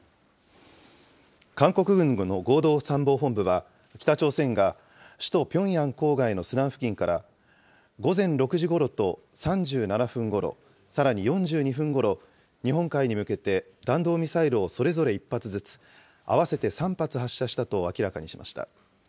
韓国軍の合同参謀本部は、北朝鮮が首都ピョンヤン郊外のスナン付近から午前６時ごろと３７分ごろ、さらに４２分ごろ、日本海に向けて弾道ミサイルをそれぞれ１発ずつ、合わせて３発発射したと明らかにしました。